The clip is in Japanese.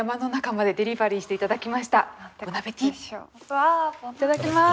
わあいただきます。